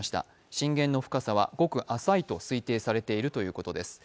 震源の深さは極浅いと推定されているということです。